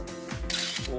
お！